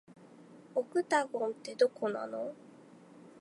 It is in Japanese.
オクタゴンって、どこなの